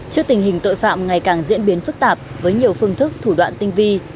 trước tình hình tội phạm ngày càng diễn biến phức tạp với nhiều phương thức thủ đoạn tinh vi